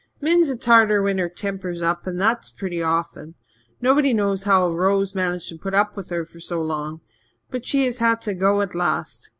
Min's a Tartar when her temper's up and that's pretty often. Nobody knows how Rose managed to put up with her so long. But she has had to go at last.